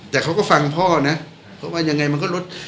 แต่เขาก็ฟังพ่อนะเขาว่ายังไงมันก็ลด